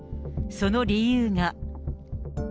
その理由が。